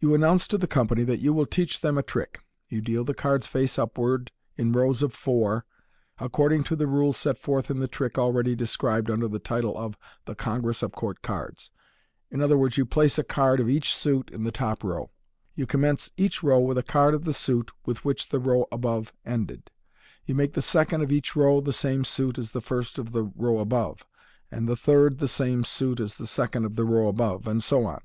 You announce to the company that you will teach them a trick. You deal the cards face upwards in rows of four, according to the rules set forth in the trick already described under the title of "The Congress of Court Cards," i.e., you place a card of each suit in the top row j you commence each row with a card of the suit with which the row above ended ; you make the second of each row the same suit as the first of the row above, and the third the same suit as the second of the row above, and so on.